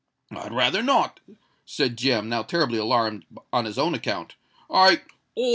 "I'd rather not," said Jem, now terribly alarmed on his own account: "I——" "Oh!